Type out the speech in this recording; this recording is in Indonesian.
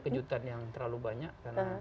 kejutan yang terlalu banyak